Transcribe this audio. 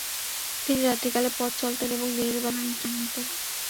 তিনি রাত্রিকালে পথ চলতেন এবং দিনের বেলা বিশ্রাম নিতেন।